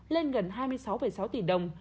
lên gần hai mươi sáu sáu tỷ đồng